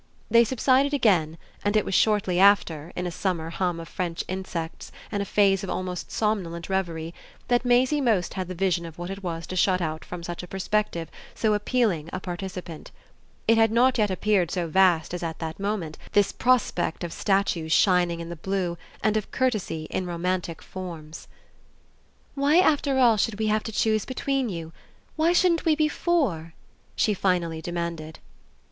They subsided again, and it was shortly after, in a summer hum of French insects and a phase of almost somnolent reverie, that Maisie most had the vision of what it was to shut out from such a perspective so appealing a participant. It had not yet appeared so vast as at that moment, this prospect of statues shining in the blue and of courtesy in romantic forms. "Why after all should we have to choose between you? Why shouldn't we be four?" she finally demanded. Mrs.